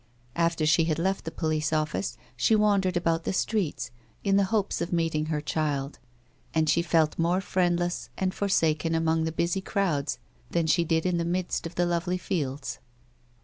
After she had left the police office, she wandered about the streets, in the hopes of meeting her child, and she felt more friend less and forsaken among the busy crowds than she did in the midst of the lovely fields.